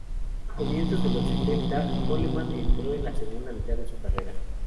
A comienzos de los setenta, Coleman entró en la segunda mitad de su carrera.